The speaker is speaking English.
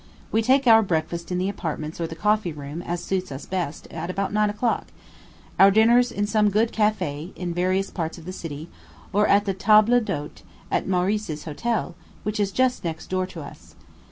We take our breakfast in our apartments or the coffee room, as suits us best, at about nine o'clock; our dinners in some good café, in various parts of the city, or at the table d'hôte, at Meurice's Hotel, which is just next door to us.